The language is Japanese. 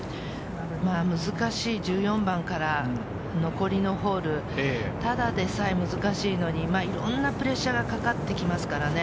難しい１４番から残りのホールただでさえ難しいのにいろいろなプレッシャーがかかってきますからね。